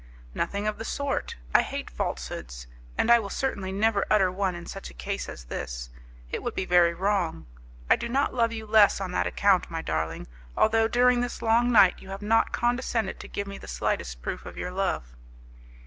"Nothing of the sort. I hate falsehoods, and I will certainly never utter one in such a case as this; it would be very wrong. I do not love you less on that account, my darling, although, during this long night, you have not condescended to give me the slightest proof of your love."